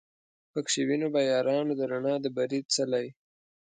پکښی وینو به یارانو د رڼا د بري څلی